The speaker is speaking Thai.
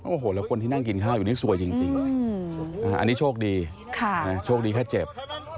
โอ้โหแล้วคนที่นั่งกินข้าวอยู่นี่สวยจริงอันนี้โชคดีโชคดีแค่เจ็บ